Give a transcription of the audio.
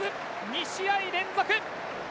２試合連続！